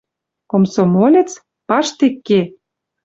Комсомолец? Паштек ке!